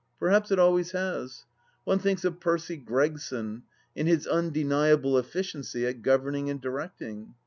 Perhaps it always has 7 One thinks of Percy Gregson and his undeniable efficiency at governing and directing.